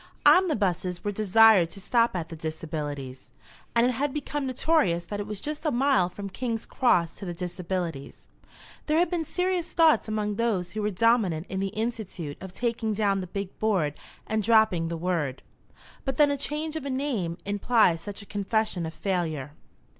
Omnibuses were desired to stop at the "Disabilities;" and it had become notorious that it was just a mile from King's Cross to the "Disabilities." There had been serious thoughts among those who were dominant in the Institute of taking down the big board and dropping the word. But then a change of a name implies such a confession of failure!